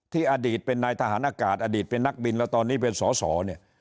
อดีตเป็นนายทหารอากาศอดีตเป็นนักบินแล้วตอนนี้เป็นสอสอเนี่ย